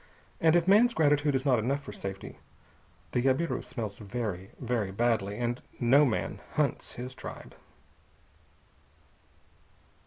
And if man's gratitude is not enough for safety, the jabiru smells very, very badly, and no man hunts his tribe.